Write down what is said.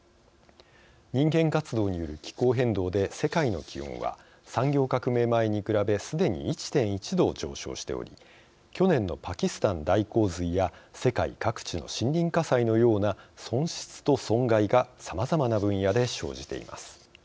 人間活動による気候変動で世界の気温は産業革命前に比べすでに１．１℃上昇しており去年のパキスタン大洪水や世界各地の森林火災のような損失と損害がさまざまな分野で生じています。